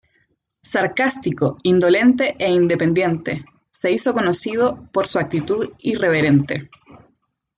Sarcástico, indolente e independiente, se hizo conocido por su actitud irreverente.